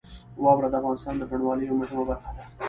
واوره د افغانستان د بڼوالۍ یوه مهمه برخه ده.